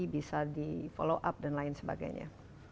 bisa di follow up dan lain sebagainya